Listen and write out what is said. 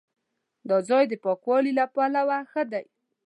دا ځای د پاکوالي له پلوه ښه دی.